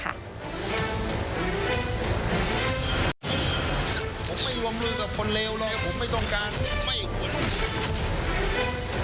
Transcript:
ผมไม่วงลือกับคนเลวเลยผมไม่ต้องการไม่ควร